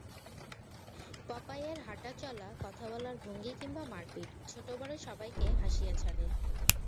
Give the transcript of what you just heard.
পপাইয়ের হাঁটা-চলা, কথা বলার ভঙ্গি কিংবা মারপিট, ছোট-বড় সবাইকে হাসিয়ে ছাড়ে।